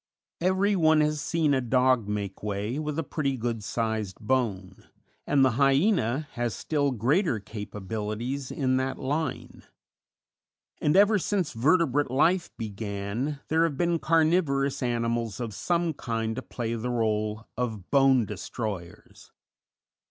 Every one has seen a dog make way with a pretty good sized bone, and the Hyena has still greater capabilities in that line; and ever since vertebrate life began there have been carnivorous animals of some kind to play the rôle of bone destroyers.